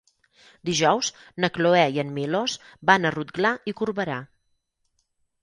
Dijous na Cloè i en Milos van a Rotglà i Corberà.